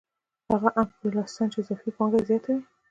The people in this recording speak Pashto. هغه امپریالیستان چې اضافي پانګه یې زیاته وي